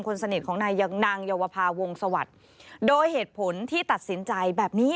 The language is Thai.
คนสนิทของนายนางเยาวภาวงศวรรค์โดยเหตุผลที่ตัดสินใจแบบนี้